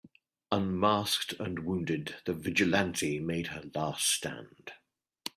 Unmasked and wounded, the vigilante made her last stand.